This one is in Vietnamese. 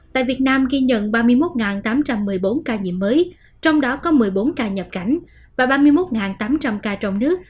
tại việt nam ghi nhận ba mươi một tám trăm một mươi bốn ca nhiễm mới trong đó có một mươi bốn ca nhập cảnh và ba mươi một tám trăm linh ca trong nước